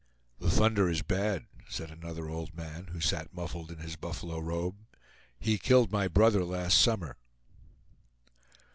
"The thunder is bad," said another old man, who sat muffled in his buffalo robe; "he killed my brother last summer."